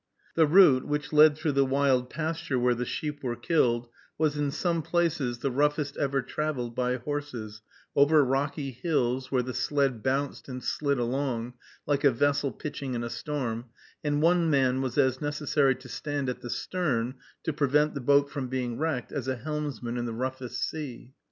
The route, which led through the wild pasture where the sheep were killed, was in some places the roughest ever traveled by horses, over rocky hills, where the sled bounced and slid along, like a vessel pitching in a storm; and one man was as necessary to stand at the stern, to prevent the boat from being wrecked, as a helmsman in the roughest sea.